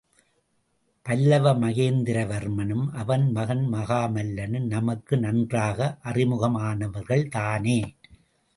பல்லவ மகேந்திரவர்மனும் அவன் மகன் மகாமல்லனும் நமக்கு நன்றாக அறிமுகமானவர்கள் தானே.